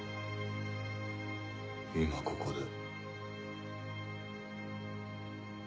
今ここで。